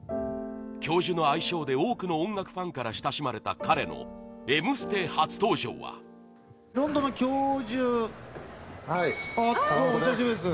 教授の愛称で多くの音楽ファンから親しまれた彼の「Ｍステ」初登場はタモリ：お久しぶりです。